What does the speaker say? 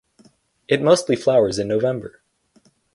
It mostly flowers in November.